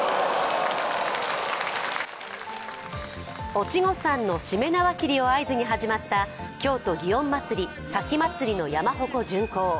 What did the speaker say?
お稚児さんのしめ縄切りを合図に始まった京都・祇園祭、前祭の山鉾巡行。